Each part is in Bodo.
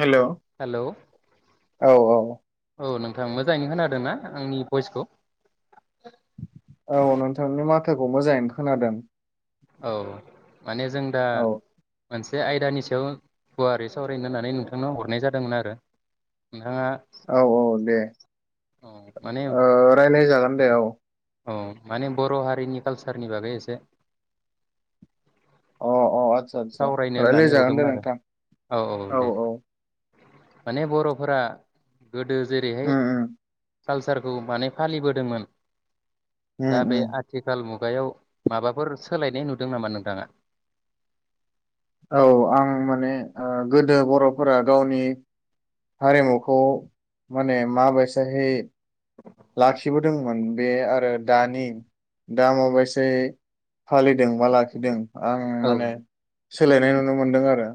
हेल' औ हेलौ औ। थां मोजाङैनो खोनादोंना? आंनि भइसखौ औ नोंथांनि माथोखौ मोजाङैनो खोनादों। औ माने जों दा औ मोनसे बे आयदानि सायाव गुवारै सावरायनो होननानै नोंथांनाव हरनाय जादोंमोन आरो। नोंथाङा औ औ दे औ माने ओ रायलाय जागोन दे औ। औ माने बर' हारिनि कालसारनि बागै एसे अ अ आदसा आदबा, सावरायनो रायलाय होननानै जागोन दे हरदोंमोन नों आरो थां। औ औ दे माने बर'फोरा गोदो उम जेरैहाय। कालसारखौ माने फालिबोदोंमोन। दा उम बे उम आथिखाल मु गायाव माबाफोर सोलायनाय नुदों नामा नोंथाङा? औ आं माने ओ गोदो बर'फोरा गावनि हारिमुखौ माने माबायसाहै लाखिबोदोंमोन, बे आरो दानि दा माबायसायै फालि दों बा लाखिदों आं औ माने सोलायनाय नुनो मोनदों आरो।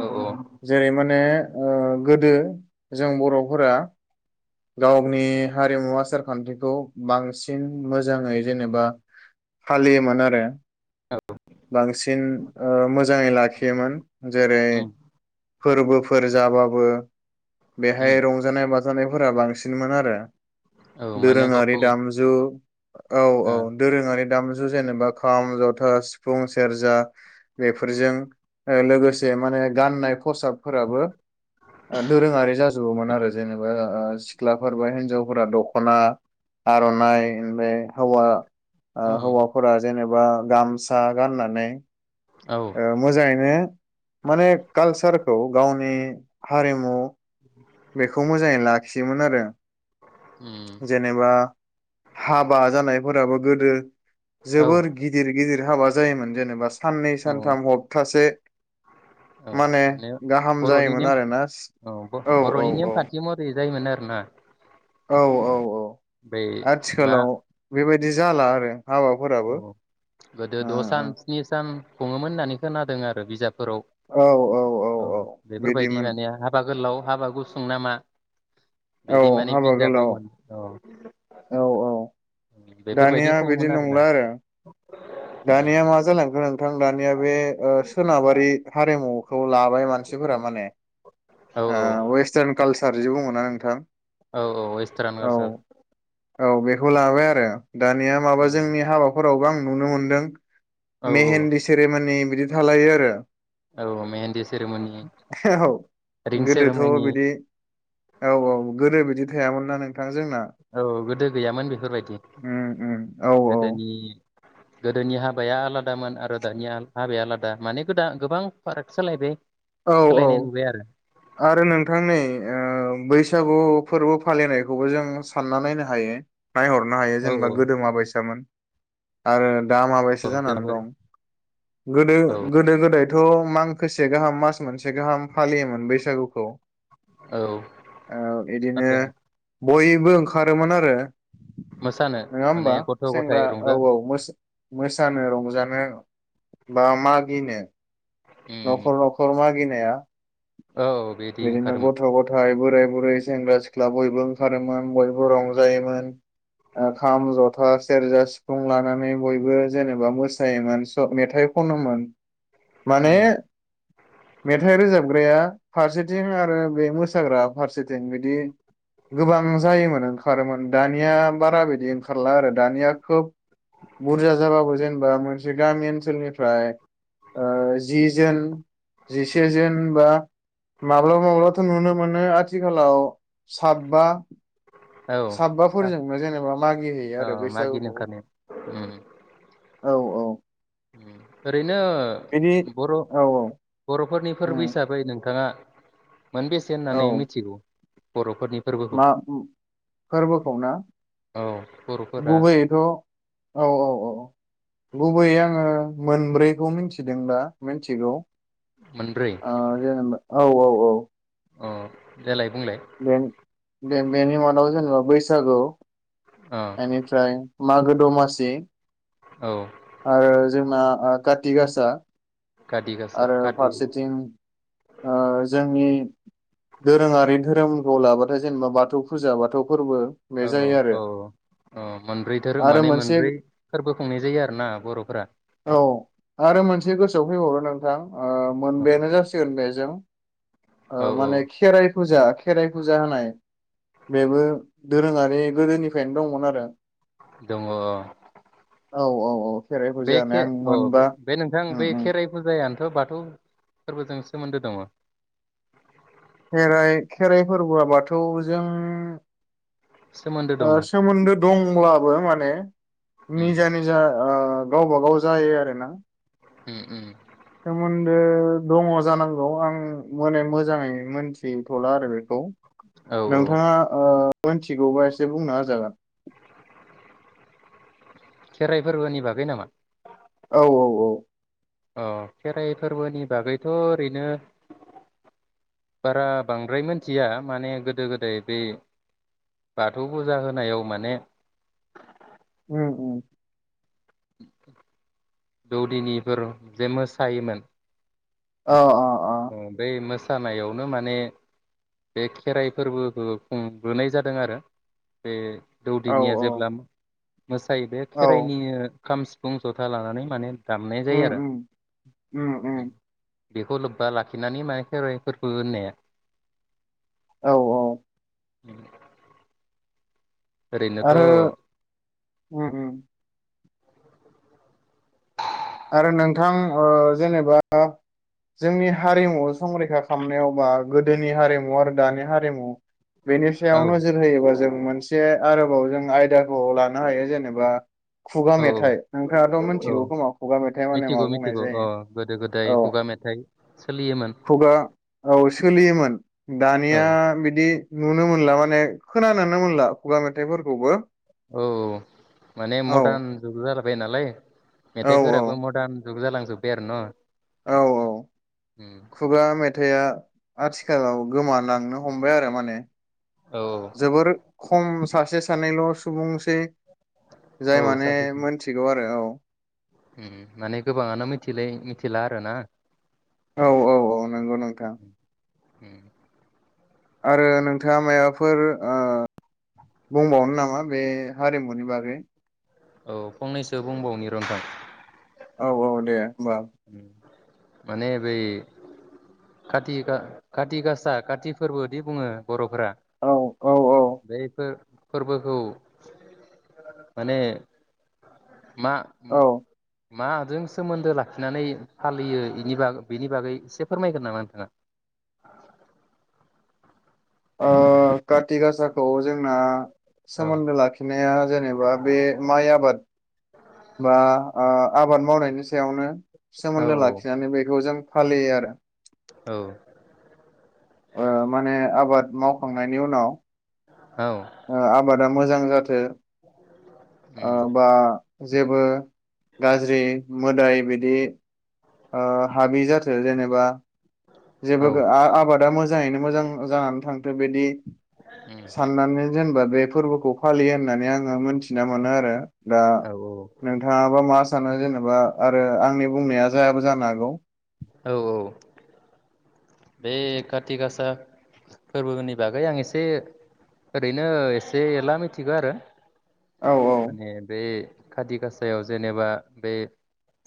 औ औ जेरै माने ओ गोदो जों बर फोरा। गावनि हारिमु आसार खान्थिखौ, बांसिन मोजाङै जेनेबा फालियोमोन आरो। औ बांसिन ओ मोजाङै लाखियोमोन जेरै। उम फोरबोफोर जाबाबो। बेहाय उम रंजानाय बाजा। जानायाव। फोरा बांसिन दोङीमीन आरो, औ माने दोरोंङारि गावनि दामजु औ औ दोरोङारि दामजु। जु जेनेबा खाम, जथा, सिफुं, सेरजा बेफोरजों लोगोसे माने गाननाय खसाबफोराबो। आ दोरोङारि जाजोबोमोन आरो जेनेबा। ओ सिख्लाफोर बाहेनजावफोरा दखना, आरनाइ ओमफ्राय हौवा। ओ हौवाफोरा जेनेबा हुवा गामसा गाननानै औ ओ मोजाङैनो माने कालसारखौ गावनि हारिमु बेखौ मोजाङै लाखियोमोन आरो उम, जेनेबा हाबा जानायफोराबो गोदो औ जोबोर गिदिर गिदिर दि हाबा जायोमोन जेनेबा साननै औ सानथाम हप्तासे माने गाहाम जायोमोन आरोना सि। बर'नि नेम खान्थि महरै जायोमोन आरोना। औ औ औ बै मा आथिखालाव बेबायदि जाला आरो। हाबाफोराबो औ औ गोदो औ द सान स्नि सान। खुङोमोन होननानै खोनादों आरो बिजाब। फोराव औ बेफोरबायदि माने हाबा गोलाव हाबा गुसुं नामा औ बिदि माने हाबा गोलाव बिजाबावमोन औ। औ औ। बेफोरबायदि दानिया खङोमोन बिदि आरोना नंला आरो। [inaudible] उम, दानिया मा जालांखो नोंथां दानिया बे ओ सोनाबारि हारिमु औ लाबाय मानसिफोरा माने औ ओ वेसतार्न कालसा सारजि बुङोना नोंथां? औ औ वेसत्रान औ कालसार। औ बेखौ लाबाय आरो। दानिया माबा उम, जोंनि हाबाफोर फोरावबो आं नुनो मोन दों औ मेहेनदि सेरेमोनि बिदि थालायो आरो। औ मेहेन्दि सेरेमनि औ रिं गोदोथ' सेरेमनि बिदि औ औ गोदो बिदि थायामोन ना नों औ गोदो गैयामोन बेफोरबायदि उम उम औ औ गोदोनि गोदोनि हाबाया आलादोन आरो दानि हाबाया आलादा माने गोदा गोबां फाराग सालायबाय औ औ सोलायनाय नुबाय आरो आरो नोंथांनि बैसागु फोरबो फालिनायखौबो जों सानना नायनो हायो नायहरनो हायो औ जेनेबा औ गोदोमा बायसामोन आरो दा माबायसा औ जानानै जोंहाबोरै दं गोदो औ गोदो गोदायथ गोसे गाहाम मास मोनसे गाहाम फालियोमोन बैसागो बैसागुखौ औ औ बिदिनो नाथाय बयबो ओंखारोमोन आरो मोसानो नङा माने होमबा गथ' गथाय सेंग्रा औ रंजा औ मोसानो रंजानो बा मागिनो उम नखर नखर मागिनो माया [inaudible] औ बिदि बिदिनो ओंखारोमोन गथ गथाय बोराय बुरै सेंग्रा सिख्ला बयबो ओंखारोमोन बयबो रंजायोमोन खाम जथा सेरजा सिफुं लानानै बयबो जेनेबा मोसायोमोन सब मेथाइ खनोमोन माने उम मेथाइ रोजाबग्राया फारसेथिं आरो बे मोसाग्रा फारसेथिं बिदि गोबां जायोमोन ओंखारोमोन दानिया बारा बिदि ओंखारला आरो दानिया खोब बुरजा जाबाबो जेनेबा मोनसे गामि ओनसोलनिफ्राय जि जोन जिसे जोन बा माब्लाब माब्लाथ नुनो मोनो आथिखालाव साबा औ साबाफोरजोंनो जेनेबा मागि हैैयो आरो मागिनो बैसागुखौ ओंखारनाय उम औ औ आरोनो बिदि बिदिनो बर औ औ बरफोरनि फोरबो उम हिसाबै नों थाङा माने बेेसे औ होननानै मिथिगौ बर' फोरनि फोरबोखौ फोरबोखौनो औ बर'फोरा गुबैयैथ' औ औ औ गुबैयै आङो मोनब्रैखौ मिथिदों दा मिथिगौ मोनब्रै आ जेनेबा औ औ औ अ देलाय बुंलाय बे बेनि मादाव जेनेबा बैसागु अ एनिफ्राय मागो दमासि औ आरो जोंना ओ काति गासा काति गासा आरो काति फारसेथिं ओ जोंनि दोरोङारि धोरोम खौ लाबाथाय जेनेबा बाथौ फुजा बाथौ फोरबो बे औ जायो आरो औ औ औ मोनब्रै धोरोम आरो माने मोनसे मोनब्रै फोरबो खुंनाय जायो आरो औ आरो मोनसे गोसोआव फै [unintelligible] नोंथां ओ मोनबायानो जासिगोन बेजों ओ औ औ माने खेराइ फुजा खेराइ फुजा होनाय बेबो दोरोङारि गोदोनिफ्रायनो दंमोन आरो दङ औ औ औ औ खेराइ बे फुजा होनाय आं अ मोनबा बे नोंथां उम बे उम खेराइ फुजायानो बाथौ बाथौ फोरबोजों सोमोन्दो दङ खेराइ खेराइ फोरबोआ बाथौजों सोमोन्दो दङ ओ सोमोन्दो दंब्लाबो माने उम निजा निजा ओ गावबा गाव जायो आरो ना? उम उम सोमोन्दो दङ जानांगौ आं माने मोजाङै मोनथिथ'ला आरो बे खौ औ औ नोंथाङा ओ मोनथिगौबा एसे बुंना होजागोन खेराइ फोरबोनि बागै नामा? औ औ औ अ खेराइ फोरबोनि बागैथ ओरैनो बारा बांद्राय मिथिया माने गोदो गोदाय बे बाथौ फुजा होनायाव माने ओम ओम [inaudible] दौदिनिफोर जे मोसायोमोन अ अ ओ अ बै मोसानायावनो माने बे खेराइ फोरबोबो खुंबोनाय जादों आरो बे औ दौदिनिया औ जेब्ला मोसायो बे औ खेराइनि खाम सिफुं जथा लानानै माने दामनाय उम जायो आरो उम उम उम [inaudible] बेखौलब बा लाखिनानै माने खेराइफोरखौ होननाया औ औ [inaudible] ओरैनोथ' औ आरो उम उम आरो नोंथां ओ जेनेबा जोंनि हारिमु संरैखा खालामनायावबा गोदोनि हारिमु आरो दानि हारिमु बेनि औ सायाव नोजोर होयोबा जों मोनसे आरो औ जों आयदा औ लानो हायो जेनेबा खुगा औ मेथाइ नोंथाङाथ' औ मिथिगौ खोमा? खुगा मेथाइ माने मा मिथिगौ बुंनाय मिथिगौ अ जायो? गोदो गोदाय औ खुगा मेथाइ सोलियोमोन खुगा औ सोलियोमोन औ दानिया बिदि दि नुनो मोनला माने खोनानोनो मोनला खुगा मेथाइफोरखौबो औ औ माने औ मरदान जुग जाला बाय नालाय। औ मेथाइफोराबो मरदान जुग जालां जोबबाय आरो न' औ औ उम खुगा मेथाइआ आथिखालाव गोमालांनो हमबाय आरो माने औ जोबोर खम सासे सानैल' सुबुंसै जाय औ माने सासे मोनथिगौ आरो औ [inaudible] उम माने गोबाङानो मिथिलाय मिथिला आरो ना। औ औ औ नंगौ नोंथां। उम आरो नोंथाङा मायाबाफोर ओ बुंबावनो नामा बे हारिमुनि बागै? औ फंनैसो बुंबावनि र' नोंथां ‌ औ औ दे। होमबा उम माने बै काति गा काति गासा काति फोरबोदि बुङो बर'फोरा औ औ औ बैफोर फोरबोखौ माने मा उम औ माजों सोमोन्दो ला खिनानै फालियो इनि बेनि बागै एसे फोरमायगोन नामा नोंथाङा? ओ काथ ति गासाखौ जोंना औ सोमोन्दो लाखिनाया जेनेबा बे माइ आबाद बा आबाद ओ मावनायनि सायावनो औ सोमोन्दो लाखिनानै बेखौ जों फालियो आरो औ माने आबाद मावखांनायनि उनाव औ ओ आबादा मोजां जाथों उम बा जेबो गाज्रि मोदाय बि दि हाबि जाथों जेनेबा औ जेबो आबादा मो जाङैनो मोजां जानानै थांथों बिदि उम साननानै जेनेबा बे फोरबोखौ फालियो होननानै आङो मोनथिना मोनो आरो दा औ नोंथाङाबा मा सानो जेनेबा आरो आंनि बुंनाया जायाबो जानो हागौ औ औ बे काति गासा फोरबोनि बागै आं एसे ओरैनो एसे एला मिथिगौ आरो औ औ माने बे काति गासायाव जेनेबा बे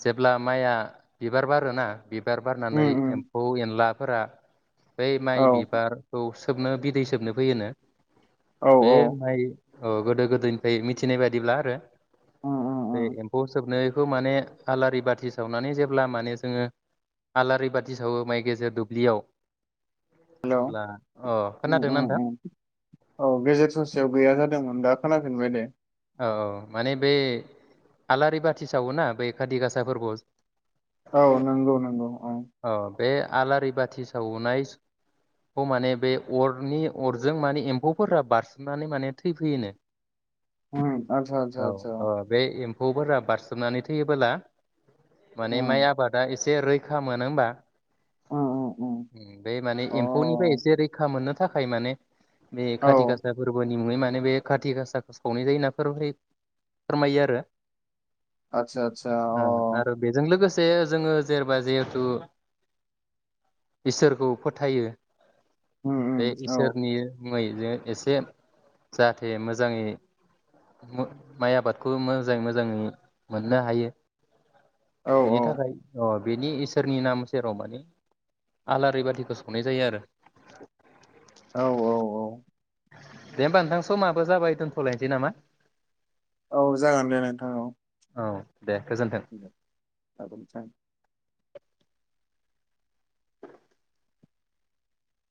जेब्ला माइआ बिबार बारोना बिबार उम बारनानै उम एम्फौ एनला फोरा बै औ माइ बिबारखौ सोबनो बिदै सोबनो फैयोनो औ बेे औ माइ औ गोदो गोदोनिफ्राय मिथिनाय बादिब्ला आरो उम उम बे उम एम्फौ सोबनो माने आलारि बाथि सावनानै जेब्ला माने जोङो आलारि बाथि सावो माइ गेजेर दु- लियाव हेलौ उ खोनादोंना नोंथां उ उ गेजेट ससेयाव गैया जादोंमोन दा खोना फिनबायदे औ माने बे आलारि बाथि सावोना बै खाथि गासा फोरबो औ नंगौ नंगौ औ अ बे आलारि बाथि सावनायखौ माने बे अरनि अरजों माने एम्फौफोरा बारसोमनानै माने थैफैयोनो उ आसा आसा आसा फोरा बारसोमनानै थैयोबोला माने उम माय आबादा एसे रैखा मोना होनोमबा उम उम बे माने एम्फौनिफ्राय अ एसे रैखा मोननो थाखाय माने बे खाथि औ खासा फोरबोनि मुङै मा बे खाथिगासा खावनाय जायो नाफोराय फोरमायो आरो। आतसा आतसा अ ओ आरो [unintelligible] जोङो जेनेबा जिहेथु इसोरखौ फोथायो उम बे उम औ इसोरनि [unintelligible] एसे जाहाथे मोजाङै माइ आबादखौ मोजाङै मोजाङै मोननो हायो औ बिनि थाखाय अ बेनि इसोरनि नाम सेराव माने आलारि बाथिखौ सावनाय जायो आरो। औ औ औ दे होमबा नोंथां समाबो जाबाय दोनथ'लायसै नामा? औ जागोन दे नोंथां औ। औ दे गोजोन्थों [unintelligible]